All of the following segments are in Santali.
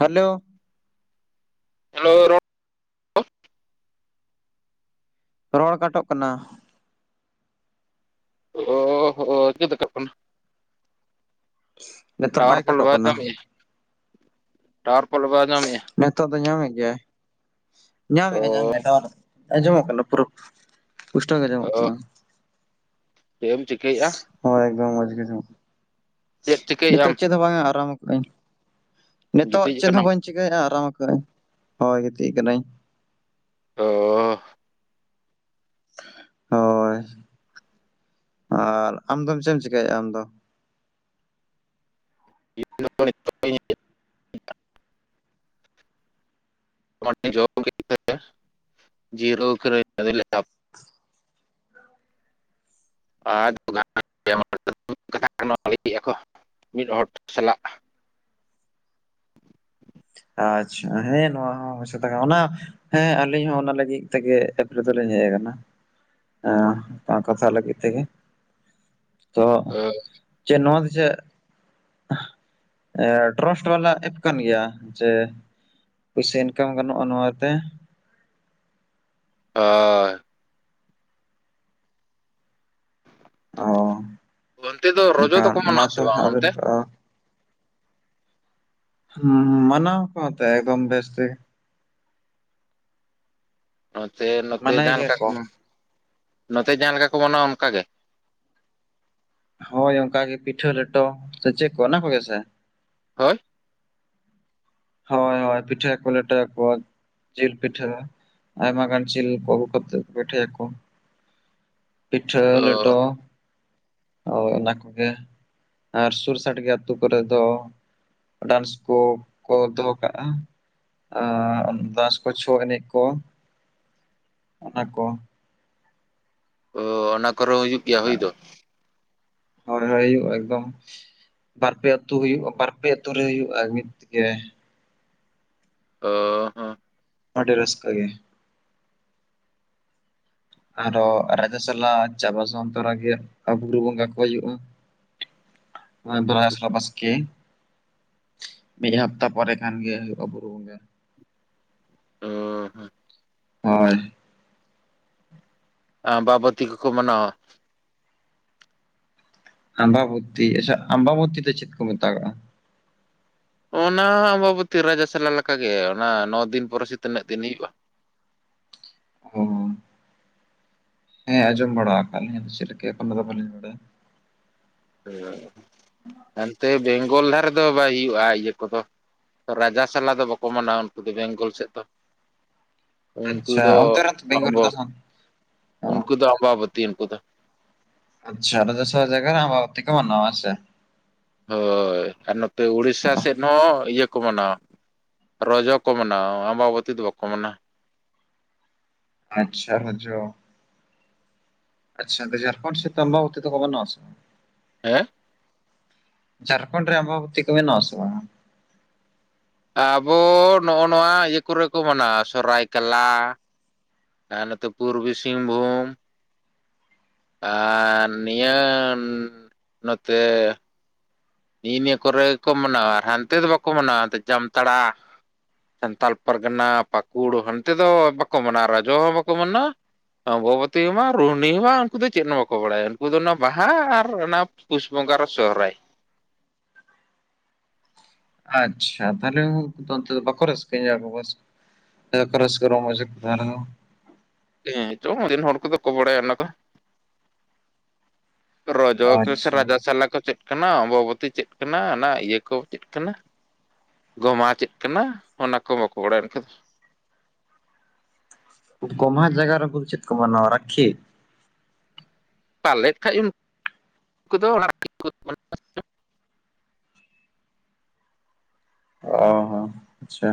ᱦᱮᱞᱳ ᱦᱮᱞᱳ ᱨᱚᱲ ᱠᱟᱴᱚᱜ ᱠᱟᱱᱟ ᱚ ᱦᱚᱸ [unintelligible] ᱴᱟᱭᱟᱨ ᱯᱟᱞᱮ ᱠᱟᱴᱚᱜ ᱵᱟᱭ ᱠᱟᱱᱟ ᱧᱟᱢᱮ-ᱟ ᱴᱟᱭᱟᱨ ᱯᱟᱞᱮ ᱵᱟᱭ ᱧᱟᱢᱮ-ᱟ᱾ ᱱᱤᱛᱚᱜ ᱫᱚ ᱧᱟᱢᱮᱫ ᱜᱮᱭᱟᱭ ᱚ ᱧᱟᱢᱮᱫᱟᱭ ᱧᱟᱢᱮᱫᱟᱭ ᱴᱟᱣᱟᱨ ᱫᱚ᱾ ᱟᱸᱡᱚᱢᱚᱜ ᱠᱟᱱᱟ ᱯᱩᱨᱟᱹ ᱯᱩᱥᱴᱟᱹᱭ ᱜᱮ ᱟᱸᱡᱚᱢᱚᱜ ᱠᱟᱱᱟ᱾ ᱪᱮᱜ ᱮᱢ ᱪᱤᱠᱟᱹᱭᱮᱜᱼᱟ᱾ ᱦᱚᱸ ᱮᱠᱫᱚᱢ ᱢᱚᱡᱽ ᱜᱤ ᱟᱡᱚᱢᱚᱜ ᱠᱟᱱᱟ᱾ ᱪᱮᱫ ᱪᱤᱠᱟᱹᱭᱮᱜ ᱟᱢ᱾ ᱛᱮ ᱵᱟᱝ ᱟ ᱟᱨᱟᱢ ᱟᱠᱟᱜᱟᱹᱧ ᱠᱟ ᱱᱤᱛᱚᱜ ᱜᱤᱛᱤᱡ ᱪᱮᱫ ᱦᱚᱸ ᱠᱟᱱᱟᱢ ᱵᱟᱹᱧ- ᱪᱤᱠᱟᱹᱭᱟᱜ ᱟ ᱟᱨᱟᱢ ᱟᱠᱟᱜᱟᱧ ᱦᱳᱭ ᱜᱤᱛᱤᱡ ᱠᱟᱱᱟᱹᱧ᱾ ᱛᱚ᱾ ᱦᱳᱭ ᱟᱨ ᱟᱢ ᱫᱚᱢ ᱪᱮᱜ ᱮᱢ ᱪᱮᱠᱟᱭᱮᱜᱼᱟ ᱟᱢ ᱫᱚ᱾ [inaudible] ᱡᱤᱨᱳᱣ ᱠᱟᱱᱟᱧ ᱟᱫᱚᱧ ᱞᱟᱹᱭ ᱮᱫᱟ ᱦᱟᱯ- ᱟ ᱠᱟᱛᱷᱟ ᱞᱟᱹᱭᱮᱫ ᱠᱚ ᱢᱤᱫ ᱦᱚᱲ ᱥᱟᱞᱟᱜ᱾ ᱟᱪᱪᱷᱟ ᱦᱮᱸ ᱱᱚᱣᱟ ᱦᱚᱸ ᱵᱮᱥ ᱠᱟᱛᱷᱟ ᱠᱟᱱᱟ ᱚᱱᱟ- ᱦᱮᱸ ᱟᱹᱞᱤᱧ ᱦᱚᱸ ᱚᱱᱟ ᱞᱟᱹᱜᱤᱫ ᱛᱮᱜᱮ ᱮᱠᱷᱨᱟ ᱫᱚᱞᱤᱧ ᱦᱮᱡ ᱟᱠᱟᱱᱟ᱾ ᱦᱮᱸ ᱟ ᱠᱟᱛᱷᱟ ᱞᱟᱹᱜᱤᱫ ᱛᱮᱜᱮ ᱛᱚ- ᱚ ᱪᱮᱫ ᱱᱚᱣᱟ ᱫᱚ ᱪᱮᱫ ᱴᱨᱚᱥᱴ ᱵᱟᱞᱟ ᱮᱯ ᱠᱟᱱ ᱜᱮᱭᱟ᱾ ᱡᱮ ᱯᱩᱭᱥᱟᱹ ᱤᱱᱠᱟᱢ ᱜᱟᱱᱚᱜᱼᱟ ᱱᱚᱣᱟ ᱛᱮ᱾ ᱚᱻ᱾ ᱚ ᱚᱱᱛᱮ ᱫᱚ ᱨᱚᱡᱚ ᱚᱝᱠᱟ ᱫᱚᱠᱚ ᱢᱟ ᱢᱟᱱᱟᱣᱟ ᱥᱮ ᱛᱟᱦᱮᱞᱮ ᱵᱟᱝ ᱟᱵᱮᱱ ᱚᱱᱛᱮ ᱫᱚ- ᱦᱩᱸ ᱦᱩᱸ ᱢᱟᱱᱟᱣ ᱠᱚ ᱯᱮ ᱮᱠᱫᱚᱢ ᱵᱮᱥ ᱛᱮᱜᱮ᱾ ᱱᱚᱛᱮ ᱱᱚᱛᱮ ᱢᱟᱱᱟᱭ ᱡᱟᱦᱟᱸ ᱜᱮᱭᱟ ᱞᱮᱠᱟ ᱠᱚ ᱱᱚᱛᱮ ᱡᱟᱦᱟᱸ ᱞᱮᱠᱟ ᱠᱚ ᱢᱟᱱᱟᱣᱟ ᱚᱱᱠᱟ ᱜᱮ᱾ ᱦᱳᱭ ᱚᱱᱠᱟᱜ ᱜᱮ ᱯᱤᱴᱷᱟᱹ ᱞᱮᱴᱚ ᱥᱮ ᱪᱮᱫ ᱠᱚ ᱚᱱᱟ ᱠᱚᱜᱮ ᱥᱮ᱾ ᱦᱳᱭ᱾ ᱦᱚᱭ ᱦᱚᱭ ᱯᱤᱴᱟᱹ ᱠᱚ ᱞᱮᱴᱚᱣᱟ ᱠᱚ ᱡᱤᱞ ᱯᱤᱴᱟᱹ᱾ ᱟᱭᱢᱟ ᱜᱟᱱ ᱪᱤᱞ ᱠᱚ ᱟᱹᱜᱩ ᱠᱚᱛᱮ ᱯᱷᱤᱴᱟᱹ ᱭᱟᱠᱚ᱾ ᱯᱤᱴᱷᱟᱹ ᱚ ᱞᱮᱰᱚ᱾ ᱚᱳᱭ ᱚᱱᱟ ᱠᱚᱜᱮ ᱟᱨ ᱥᱩᱨ ᱥᱟᱰᱜᱮ ᱟᱹᱛᱩ ᱠᱚᱨᱮ ᱫᱚ ᱰᱟᱱᱥ ᱠᱚ ᱠᱚ ᱫᱚᱦᱚ ᱠᱟᱜᱼᱟ᱾ ᱟ ᱚᱱ ᱫᱟᱥ ᱠᱚ ᱪᱷᱚ ᱮᱱᱮᱡ ᱠᱚ ᱚᱱᱟ ᱠᱚ᱾ ᱚ ᱚᱱᱟ ᱠᱚᱨᱮ ᱦᱚᱸ ᱦᱩᱭᱩᱜ ᱜᱮᱭᱟ ᱦᱩᱭ ᱫᱚ᱾ ᱦᱳᱭ ᱚᱭ ᱦᱩᱭᱩᱜ ᱮᱠᱫᱚᱢ᱾ ᱵᱟᱨᱯᱮ ᱟᱹᱛᱩ ᱦᱩᱭᱩᱜᱼᱟ ᱵᱟᱨᱯᱮ ᱟᱹᱛᱩ ᱨᱮ ᱦᱩᱭᱩᱜᱼᱟ ᱢᱤᱫ ᱜᱮ᱾ ᱚ ᱦᱚᱸ᱾ ᱟᱰᱤ ᱨᱟᱹᱥᱠᱟᱹ ᱜᱮ᱾ ᱟᱨᱚ ᱨᱟᱡᱟ ᱥᱚᱞᱟ ᱪᱟᱵᱟ ᱥᱟᱱ ᱛᱚᱨᱟ ᱜᱮ ᱵᱩᱨᱩ ᱵᱚᱸᱜᱟ ᱠᱚ ᱩᱭᱩᱜᱼᱟ᱾ ᱚ-ᱚᱭ ᱫᱚᱨᱟᱭ ᱥᱨᱟ ᱵᱟᱥᱠᱮ᱾ ᱢᱤᱫ ᱦᱟᱯᱛᱟ ᱯᱚᱨᱮ ᱠᱷᱟᱱ ᱜᱮ ᱦᱩᱭᱩᱜᱼᱟ ᱵᱩᱨᱩ ᱵᱚᱸᱜᱟ᱾ ᱚ ᱦᱚᱸ᱾ ᱦᱚᱭ᱾ ᱟᱢᱵᱟ ᱵᱟᱛᱤ ᱠᱚᱠᱚ ᱢᱟᱱᱟᱣᱟ᱾ ᱟᱢᱵᱟ ᱵᱚᱛᱤ ᱟᱪᱪᱷᱟ ᱟᱢᱵᱟ ᱵᱚᱛᱤ ᱫᱚ ᱪᱮᱫ ᱠᱚ ᱢᱮᱛᱟᱜᱟᱜᱼᱟ᱾ ᱚᱱᱟ ᱟᱢᱵᱟ ᱵᱚᱛᱤ ᱨᱟᱡᱟ ᱥᱟᱞᱟ ᱞᱮᱠᱟ ᱜᱮ ᱚᱱᱟ ᱱᱚ ᱫᱤᱱ ᱯᱚᱨᱮ ᱥᱮ ᱛᱤᱱᱟᱹᱜ ᱫᱤᱱ ᱦᱩᱭᱩᱜᱼᱟ᱾ ᱚ ᱦᱮᱸ ᱟᱸᱡᱚᱢ ᱵᱟᱲᱟ ᱟᱠᱟᱜ ᱞᱤᱧ ᱟᱫᱚ ᱪᱮᱫ ᱞᱮᱠᱟ ᱮᱠᱷᱚᱱ ᱫᱚ ᱵᱟᱵᱟᱹᱞᱤᱧ ᱵᱟᱰᱟᱭᱟ᱾ ᱚ ᱦᱟᱱ ᱛᱮ ᱵᱮᱝᱜᱚᱞ ᱫᱷᱟᱨᱮ ᱨᱮᱫᱚ ᱵᱟᱭ ᱦᱩᱭᱩᱜᱼᱟ ᱤᱭᱟᱹ ᱠᱚᱫᱚ᱾ ᱨᱟᱡᱟ ᱥᱟᱞᱟ ᱫᱚ ᱵᱟᱠᱩ ᱢᱟᱱᱟᱣᱟ ᱩᱱᱠᱩ ᱫᱚ ᱵᱮᱝᱜᱚᱞ ᱥᱮᱫ ᱫᱚ᱾ ᱩᱱᱠᱩ ᱟᱪᱪᱷᱟ ᱫᱚ ᱚᱱᱛᱮ ᱨᱮᱛᱚ ᱟᱜ ᱵᱮᱝᱜᱚᱞ ᱟᱢᱵᱚ ᱨᱮᱫᱚ ᱥᱟᱱ ᱚ ᱩᱱᱠᱩ ᱫᱚ ᱟᱢᱵᱟ ᱵᱚᱛᱤ ᱩᱱᱠᱩ ᱫᱚ᱾ ᱟᱪᱪᱷᱟ ᱚᱰᱮ ᱫᱚ ᱥᱚ ᱡᱟᱭᱜᱟ ᱨᱮ ᱟᱵᱵᱟ ᱵᱚᱛᱤ ᱠᱚ ᱢᱟᱱᱟᱣ-ᱟ ᱥᱮ? ᱦᱳᱭ ᱟᱨ ᱱᱚᱛᱮ ᱩᱲᱤᱥᱟ ᱥᱮᱫ ᱱᱚ ᱤᱭᱟᱹ ᱠᱚ ᱢᱟᱱᱟᱣᱼᱟ᱾ ᱨᱚᱡᱚ ᱠᱚ ᱢᱟᱱᱟᱣ-ᱟ ᱟᱢᱵᱟ ᱵᱚᱛᱤ ᱫᱚ ᱵᱟᱠᱚ ᱢᱟᱱᱟᱣ-ᱟ᱾ ᱟᱪᱪᱷᱟ ᱦᱚᱡᱚ᱾᱾ ᱟᱪᱷᱟ ᱡᱷᱟᱲᱠᱷᱚᱸᱰ ᱥᱮᱫ ᱫᱚ ᱟᱢᱵᱟ ᱵᱚᱛᱤ ᱫᱚᱠᱚ ᱢᱟᱱᱟᱣ-ᱟ‌ ᱥᱮ? ᱦᱮᱸ ᱡᱷᱟᱲᱠᱷᱚᱸᱰ ᱨᱮ ᱟᱢᱵᱟᱵᱚᱛᱤ ᱠᱚ ᱢᱟᱱᱟᱣ ᱟᱥᱮ ᱵᱟᱝᱼᱟ? ᱟᱵᱚ ᱱᱚᱜᱼᱚ ᱱᱚᱣᱟ ᱤᱭᱟᱹ ᱠᱚᱨᱮ ᱠᱚ ᱢᱟᱱᱟᱣᱟ ᱥᱚᱨᱟᱭ ᱠᱮᱞᱞᱟ, ᱟᱨ ᱱᱚᱛᱮ ᱯᱩᱨᱵᱤ ᱥᱤᱝᱵᱷᱩᱢ᱾ ᱟᱨ ᱱᱤᱭᱟᱹ ᱱᱚᱛᱮ ᱱᱤᱜ ᱱᱤᱭᱮ ᱠᱚᱨᱮ ᱜᱮᱠᱚ ᱢᱟᱱᱟᱣᱟ ᱟᱨ ᱦᱟᱱᱛᱮ ᱫᱚ ᱵᱟᱠᱚ ᱢᱟᱱᱟᱣᱟ ᱡᱟᱢᱛᱟᱲᱟ, ᱥᱟᱱᱛᱟᱲ ᱯᱟᱨᱜᱟᱱᱟ ᱯᱟᱹᱠᱩᱲ ᱦᱟᱱᱛᱮ ᱫᱚ ᱵᱟᱠᱚ ᱢᱟᱱᱟᱣᱟ ᱨᱟᱡᱚ ᱦᱚᱸ ᱵᱟᱠᱚ ᱢᱟᱱᱟᱣᱟ, ᱚᱢᱵᱚᱵᱚᱛᱤ ᱦᱚᱸ ᱵᱟᱝ, ᱨᱩᱦᱱᱤ ᱦᱚᱸ ᱵᱟᱝ, ᱩᱱᱠᱩ ᱫᱚ ᱪᱮᱫ ᱦᱚᱸ ᱵᱟᱠᱚ ᱵᱟᱲᱟᱭᱟ, ᱩᱱᱠᱩ ᱫᱚ ᱚᱱᱟ ᱵᱟᱦᱟ ᱟᱨ ᱚᱱᱟ ᱯᱩᱥ ᱵᱚᱸᱜᱟ ᱨᱮ ᱥᱚᱦᱨᱟᱭ᱾ ᱟᱪᱪᱷᱟ ᱛᱟᱦᱚᱞᱮ ᱵᱟᱠᱚ ᱨᱟᱹᱥᱟᱹᱭᱟ ᱟᱵᱚ ᱱᱚᱭᱮᱥ? ᱞᱟᱹᱭ ᱟᱠᱚ ᱨᱟᱹᱥᱠᱟᱹ ᱨᱚᱢᱚᱡ ᱜᱮ ᱠᱚ ᱢᱟᱱᱟᱣᱟ᱾ ᱦᱮᱸ ᱪᱚᱝ ᱚᱸᱰᱮᱱ ᱦᱚᱲ ᱠᱚᱫᱚ ᱠᱚ ᱵᱟᱲᱟᱭᱟ ᱚᱱᱟ ᱠᱚ᱾ ᱨᱚᱡᱚ ᱠᱚ ᱟᱪᱪᱷᱟ ᱨᱟᱡᱟ ᱥᱟᱞᱟ ᱠᱚ ᱪᱮᱫ ᱠᱟᱱᱟ, ᱚᱢᱵᱟᱵᱚᱛᱤ ᱪᱮᱫ ᱠᱟᱱᱟ, ᱚᱱᱟ ᱤᱭᱟᱹ ᱠᱚ ᱪᱮᱫ ᱠᱟᱱᱟ? ᱜᱚᱢᱦᱟ ᱪᱮᱫ ᱠᱟᱱᱟ, ᱚᱱᱟ ᱠᱚ ᱵᱟᱠᱚ ᱵᱟᱲᱟᱭᱟ᱾ ᱮᱱᱠᱷᱟᱱ ᱫᱚ᱾ ᱜᱚᱢᱦᱟ ᱡᱟᱭᱜᱟ ᱨᱮ ᱫᱚ ᱪᱮᱫ ᱠᱚ ᱢᱟᱱᱟᱣᱟ ᱨᱟᱠᱷᱤ? ᱯᱟᱞᱮ ᱠᱷᱟᱡ ᱩᱱᱠᱩ [unintelligible] ᱚ ᱦᱚᱸ ᱟᱪᱪᱷᱟ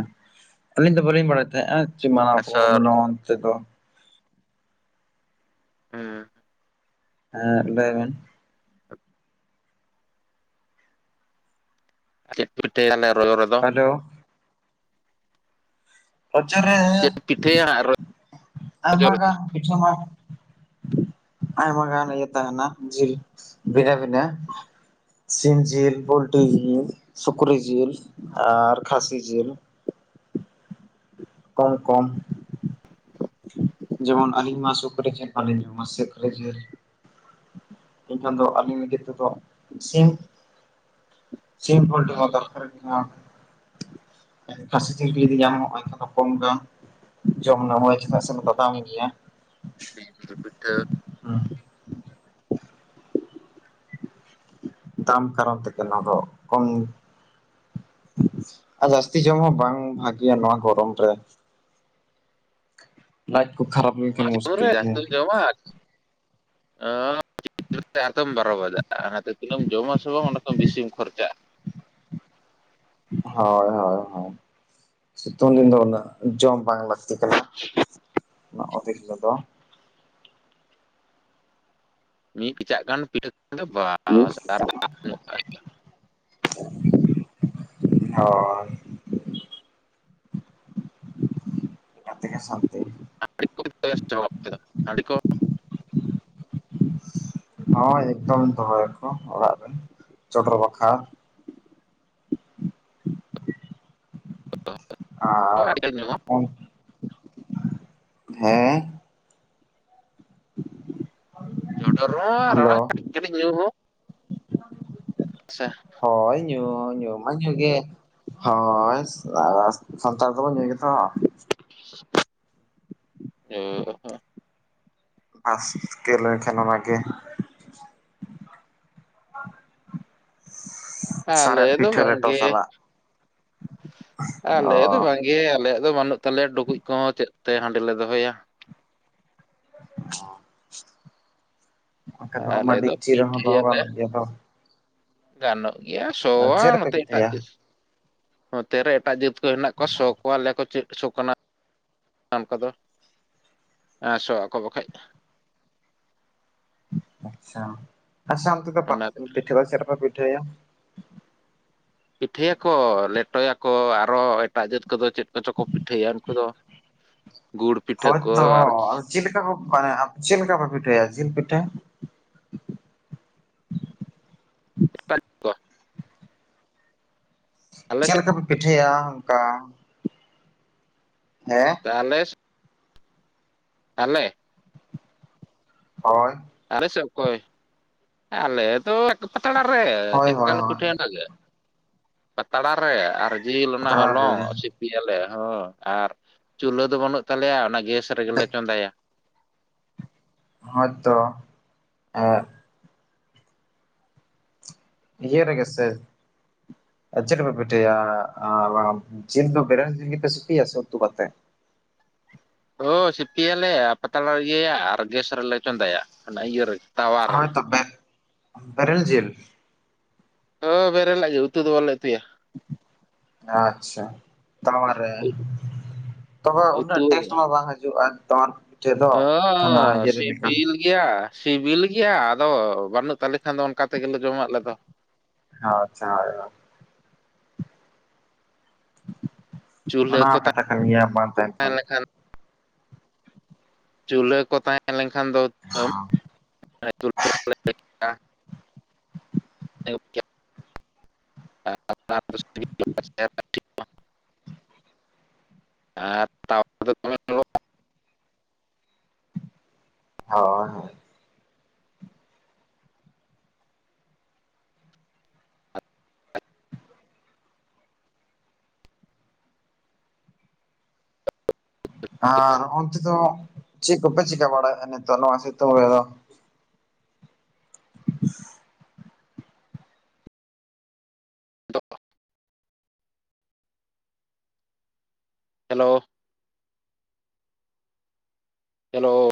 ᱟᱹᱞᱤᱧ ᱫᱚ ᱵᱟᱹᱞᱤᱧ ᱵᱟᱲᱟᱭ ᱛᱟᱦᱮᱸ-ᱟ ᱪᱮ ᱢᱟᱱᱟᱣ ᱵᱟᱠᱚ ᱟᱥᱚᱨ ᱢᱟᱱᱟᱣᱟ ᱚᱱᱛᱮ ᱫᱚ, ᱦᱮᱸ ᱦᱮᱸ ᱞᱟᱹᱭ ᱵᱮᱱ ᱪᱮᱫ ᱯᱮ ᱯᱤᱴᱷᱟᱹᱭᱟ ᱛᱟᱦᱚᱞᱮ ᱨᱚᱡᱚ ᱨᱮ ᱫᱚ? ᱦᱮᱞᱳ ᱨᱚᱡᱚ ᱨᱮ ᱪᱮᱫ ᱯᱤᱴᱷᱟᱹᱭᱟ ᱦᱟᱸᱜ ᱨᱚᱡᱚ ᱟᱭᱢᱟ ᱨᱮ ᱜᱟᱱ ᱠᱤᱪᱷᱩ ᱢᱟᱹᱱᱢᱤ ᱟᱭᱢᱟ ᱜᱟᱱ ᱤᱭᱟᱹ ᱛᱟᱦᱮᱱᱟ ᱡᱤᱞ ᱵᱷᱤᱱᱟᱹ ᱵᱷᱤᱱᱟᱹ ᱥᱤᱢ ᱡᱤᱞ, ᱯᱳᱞᱴᱤ ᱡᱤᱞ, ᱥᱩᱠᱨᱤ ᱡᱤᱞ, ᱟᱨ ᱠᱷᱟᱥᱤ ᱡᱤᱞ᱾ ᱠᱚᱢ ᱠᱚᱢ ᱡᱮᱢᱚᱱ ᱟᱹᱞᱤᱧ ᱢᱟ ᱥᱩᱠᱨᱤ ᱡᱤᱞ ᱵᱟᱹᱞᱤᱧ ᱡᱚᱢ ᱟ ᱥᱩᱠᱨᱤ ᱡᱤᱞ ᱮᱱᱠᱷᱟᱱ ᱫᱚ ᱟᱹᱞᱤᱧ ᱞᱟᱹᱜᱤᱫ ᱛᱮᱫᱚ ᱥᱤᱢ᱾ ᱥᱤᱢ, ᱯᱳᱞᱴᱤ ᱦᱚᱸ ᱫᱚᱨᱠᱟᱨ ᱠᱟᱱᱟ ᱾ ᱠᱷᱟᱹᱥᱤ ᱡᱤᱞ ᱡᱩᱫᱤ ᱧᱟᱢᱚᱜᱼᱟ, ᱮᱱᱠᱷᱟᱱ ᱫᱚ ᱠᱚᱢ ᱜᱟᱱ ᱡᱚᱢ ᱱᱟᱹᱢᱟᱹᱭ ᱪᱮᱫᱟᱜ ᱥᱮ, [unintelligible] ᱜᱮᱭᱟ [unintelligible] ᱯᱤᱴᱷᱟᱹ ᱫᱟᱢ ᱠᱟᱨᱚᱱ ᱛᱮᱜᱮ ᱱᱚᱣᱟ ᱫᱚ ᱠᱚᱢ, ᱟᱨ ᱡᱟᱹᱥᱛᱤ ᱡᱚᱢ ᱦᱚᱸ ᱵᱟᱝ ᱵᱷᱟᱜᱮᱹᱭᱟ ᱱᱚᱣᱟ ᱜᱚᱨᱚᱢ ᱨᱮ᱾ ᱞᱟᱡ ᱠᱚ ᱠᱷᱟᱨᱟᱯ ᱞᱮᱱᱠᱷᱟᱱ ᱢᱩᱥᱠᱤᱞ ᱜᱮᱭᱟ [unintelligible] ᱡᱚᱢᱟᱜ [unintelligible] [unintelligible] ᱟᱨᱛᱮᱢ ᱵᱟᱨᱚ ᱵᱟᱡᱟᱜᱼᱟ ᱚᱱᱟᱛᱮ ᱛᱤᱱᱟᱹᱜ ᱮᱢ ᱡᱚᱢ ᱟᱥᱮ ᱵᱟᱝ, ᱚᱱᱟ ᱠᱷᱚᱱ ᱵᱤᱥᱤᱢ ᱠᱷᱚᱨᱪᱟᱜᱼᱟ ᱦᱳᱭ ᱦᱳᱭ ᱦᱳᱭ ᱥᱤᱛᱩᱝ ᱫᱤᱱ ᱫᱚ ᱩᱱᱟᱹᱜ ᱡᱚᱢ ᱵᱟᱝ ᱞᱟᱹᱠᱛᱤ ᱠᱟᱱᱟ ᱱᱚᱜᱚ ᱫᱤᱱ ᱫᱚ, ᱢᱤᱫ ᱠᱮᱪᱟᱜ ᱜᱟᱱ ᱯᱤᱴᱷᱟᱹ ᱠᱷᱟᱱ ᱜᱮ ᱵᱟᱥ ᱟᱨ ᱫᱟᱜ ᱧᱩ ᱠᱟᱜ ᱠᱷᱟᱱ ᱜᱮ᱾ [unintelligible] ᱤᱱᱟᱹᱜ ᱛᱮ ᱜᱮ ᱥᱟᱱᱛᱮ, ᱟᱹᱰᱤ ᱠᱚ ᱵᱮᱥᱴᱚ ᱠᱮᱫᱟ ᱟᱹᱰᱤ ᱠᱚ [inaudible] ᱦᱳᱭ ᱮᱠᱫᱚᱢ ᱫᱚᱦᱚᱭ ᱟᱠᱚ ᱚᱲᱟᱜ ᱨᱮ ᱪᱚᱰᱚᱨ ᱵᱟᱠᱷᱨᱟ ᱟᱨ ᱟᱹᱰᱤᱜᱟᱱ ᱧᱩ ᱦᱚᱸ ᱦᱮᱸ ᱦ [unintelligible] ᱪᱚᱰᱚᱨ ᱨᱮᱦᱚᱸ ᱟᱨ ᱠᱟᱹᱴᱤᱡ ᱠᱟᱹᱴᱤᱡ ᱧᱩ ᱦᱚᱸ ᱦᱳᱭ ᱧᱩ ᱧᱩ ᱢᱟ ᱦᱩᱭᱩᱜ ᱜᱮ ᱦᱳᱭ ᱥᱟᱱᱛᱟᱲ ᱠᱚᱵᱚᱱ ᱧᱩᱭ ᱜᱮᱛᱚ ᱦᱟᱸᱜ ᱦᱮᱸ ᱟᱥ ᱜᱮᱞᱮᱱ ᱠᱷᱟᱱ ᱚᱱᱟᱜᱮ ᱟᱞᱮ ᱥᱟᱨᱮᱡ ᱫᱚ ᱯᱤᱴᱷᱟᱹ ᱵᱟᱝ ᱞᱮᱴᱚ ᱜᱮ ᱥᱟᱞᱟᱜ ᱚ ᱟᱞᱮ ᱫᱚ ᱵᱟᱝ ᱜᱮ ᱟᱞᱮᱭᱟᱜ ᱫᱚ ᱵᱟᱹᱱᱩᱜ ᱛᱟᱞᱮᱭᱟ ᱰᱩᱠᱩᱡ ᱠᱚᱦᱚᱸ ᱪᱮᱫ ᱛᱮ ᱦᱟᱸᱰᱤ ᱞᱮ ᱫᱚᱦᱚᱭᱟ ᱟᱫᱚ ᱫᱚᱦᱚᱢᱟ ᱟᱞᱮ ᱫᱚ ᱰᱮᱜᱪᱤ ᱨᱮᱦᱚᱸ ᱫᱚᱦᱚ ᱯᱤᱴᱷᱟᱹᱭᱟᱞᱮ ᱜᱟᱱᱚᱜ ᱜᱮᱫᱚ ᱜᱟᱱᱚᱜ ᱜᱮᱭᱟ ᱥᱚᱣᱟ ᱪᱮᱫ ᱨᱮᱯᱮ ᱱᱚᱛᱮ ᱮᱴᱟᱜ ᱯᱤᱴᱷᱟᱹᱭᱟ ᱡᱟᱹᱛ ᱱᱚᱛᱮᱨᱮ ᱮᱴᱟᱜ ᱡᱟᱹᱛᱼᱼ ᱡᱟᱹᱛ ᱠᱚ ᱦᱮᱱᱟᱜ ᱠᱚᱣᱟ ᱥᱚ ᱠᱚᱣᱟ ᱞᱮᱭᱟ ᱠᱚ ᱪᱮᱫ ᱥᱚ ᱠᱟᱱᱟ ᱟᱢᱠᱟᱫᱚ ᱦᱮᱸ ᱥᱚ ᱟᱠᱚ ᱵᱟᱠᱷᱟᱡ ᱟᱪᱪᱷᱟ ᱟᱪᱪᱷᱟ ᱚᱱᱛᱮ ᱫᱚ ᱚᱱᱟ ᱯᱤᱴᱷᱟᱹ ᱫᱚ ᱪᱮᱫ ᱨᱮᱯᱮ ᱯᱤᱴᱟᱹᱭᱟ? ᱯᱤᱴᱷᱟᱹᱭᱟᱠᱚ ᱞᱮᱴᱚᱭᱟᱠᱚ ᱟᱨᱚ ᱮᱴᱟᱜ ᱡᱟᱹᱛ ᱠᱚᱫᱚ ᱪᱮᱫ ᱠᱚᱪᱚ ᱠᱚ ᱯᱤᱴᱷᱟᱹᱭᱟ ᱩᱱᱠᱩ ᱫᱚ ᱜᱩᱲ ᱯᱤᱴᱷᱟᱹ ᱠᱚ ᱦᱳᱭᱛᱚ ᱟᱨ ᱟᱫᱚ ᱪᱮᱫ ᱞᱮᱠᱟᱯᱮ ᱦᱮ ᱪᱮᱫ ᱞᱮᱠᱟᱯᱮ ᱯᱤᱴᱷᱟᱹᱭᱟ ᱡᱤᱞ ᱯᱤᱴᱷᱟᱹ [unintelligible] ᱟᱞᱮ ᱪᱮᱫ ᱥᱮᱫ ᱞᱮᱠᱟ ᱯᱮ ᱯᱤᱴᱷᱟᱹᱭᱟ ᱚᱱᱠᱟ ᱦᱮᱸ [unintelligible] ᱟᱞᱮ? ᱦᱳᱭ ᱟᱞᱮ ᱥᱮ ᱚᱠᱚᱭ ᱟᱞᱮ ᱫᱚ ᱯᱟᱛᱲᱟ ᱨᱮ ᱦᱳᱭ ᱪᱮᱫ ᱞᱮᱠᱟ ᱦᱳᱭ ᱞᱮ ᱯᱤᱴᱷᱟᱹᱭ ᱚᱱᱟᱜᱮ ᱯᱟᱛᱲᱟ ᱨᱮ ᱟᱨ ᱡᱤᱞ ᱚᱱᱟ ᱦᱚᱞᱚᱝ ᱦᱳᱭ ᱥᱤᱯᱼᱼ ᱯᱤᱭᱟᱞᱮ ᱦᱚᱸ ᱟᱨ ᱪᱩᱞᱦᱟᱹ ᱫᱚ ᱵᱟᱹᱱᱩᱜ ᱛᱟᱞᱮᱭᱟ ᱚᱱᱟ ᱜᱮᱥ ᱨᱮᱜᱮᱞᱮ ᱪᱚᱸᱫᱟᱭᱟ ᱦᱳᱭ ᱛᱚ ᱮᱸᱫ ᱤᱭᱟᱹᱨᱮᱜᱮ ᱥᱮᱼᱼ ᱪᱮᱫ ᱯᱮ ᱯᱤᱴᱷᱟᱹᱭᱟ ᱡᱤᱞ ᱫᱚ ᱵᱮᱨᱮᱞ ᱡᱤᱞ ᱜᱮᱯᱮ ᱥᱤᱯᱤᱭᱟ ᱥᱮ ᱩᱛᱩ ᱠᱟᱛᱮᱫ? ᱚᱳ ᱥᱤᱯᱤᱭᱟᱞᱮ ᱟᱨ ᱯᱟᱛᱲᱟᱞᱮ ᱤᱭᱟᱹᱭᱟ ᱟᱨ ᱜᱮᱥ ᱨᱮᱞᱮ ᱪᱚᱸᱫᱟᱭᱟ ᱚᱱᱟ ᱤᱭᱟᱹ ᱨᱮᱜᱮ ᱦᱳᱭ ᱛᱚ ᱵᱮ ᱵᱮᱨᱮᱞ ᱡᱤᱞ ᱦᱮᱸ ᱵᱮᱨᱮᱞᱟᱜ ᱜᱮ ᱩᱛᱩ ᱫᱚ ᱵᱟᱞᱮ ᱩᱛᱩᱭᱟ ᱟᱪᱪᱷᱟ ᱛᱟᱣᱟᱨᱮ ᱛᱚᱵᱮ ᱩᱛᱩ ᱩᱱᱟᱹᱜ ᱴᱮᱥᱴ ᱢᱟ ᱵᱟᱝ ᱦᱤᱡᱩᱜᱼᱟ ᱛᱟᱣᱟᱨᱮ ᱯᱤᱴᱷᱟᱹ ᱫᱚ ᱠᱟᱱᱟ ᱦᱚᱸ ᱤᱭᱟᱹᱨᱮ ᱞᱮᱠᱟ ᱥᱤᱵᱤᱞ ᱜᱮᱭᱟ ᱥᱤᱵᱤᱞ ᱜᱮᱭᱟ ᱟᱫᱚ ᱵᱟᱹᱱᱩᱜ ᱛᱟᱞᱮ ᱠᱷᱟᱱ ᱫᱚ ᱚᱱᱠᱟ ᱛᱮᱜᱮᱞᱮ ᱡᱚᱢᱟ ᱟᱞᱮ ᱫᱚ ᱟᱪᱪᱷᱟ [unintelligible] ᱪᱩᱞᱦᱟᱹ ᱠᱚ ᱚᱱᱟᱦᱚᱸ ᱠᱟᱛᱷᱟ ᱠᱟᱱ ᱜᱮᱭᱟ ᱵᱟᱝ ᱛᱟᱦᱮᱱ ᱛᱟᱦᱮᱸ ᱠᱷᱟᱱ ᱞᱮᱱᱠᱷᱟᱱ ᱪᱩᱞᱦᱟᱹ ᱠᱚ ᱛᱟᱦᱮᱸ ᱞᱮᱱᱠᱷᱟᱱ ᱫᱚ [unintelligible] [unintelligible] [unintelligible] ᱟᱨ ᱛᱟᱣᱟ ᱨᱮᱫᱚ ᱫᱚᱢᱮ ᱞᱚᱞᱚ ᱦᱳᱭ ᱦᱳᱭ ᱟᱨ ᱚᱱᱛᱮᱫᱚ ᱪᱮᱫ ᱠᱚᱯᱮ ᱪᱤᱠᱟᱹ ᱵᱟᱲᱟᱭᱮᱫᱼᱟ ᱱᱤᱛᱚᱜ ᱱᱚᱣᱟ ᱥᱤᱛᱩᱝ ᱨᱮ ᱫᱚ [inaudible] [unintelligible] ᱦᱮᱞᱳ ᱦᱮᱞᱳ